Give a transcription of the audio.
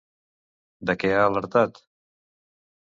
De què ha alertat?